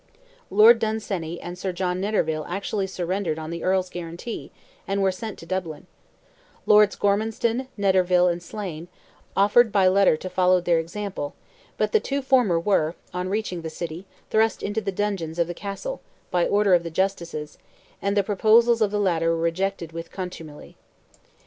Lord Dunsany and Sir John Netterville actually surrendered on the Earl's guarantee, and were sent to Dublin; Lords Gormanstown, Netterville, and Slane, offered by letter to follow their example; but the two former were, on reaching the city, thrust into the dungeons of the Castle, by order of the Justices; and the proposals of the latter were rejected with contumely.